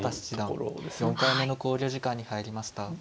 ４回目の考慮時間に入りました。